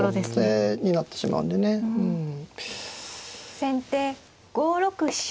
先手５六飛車。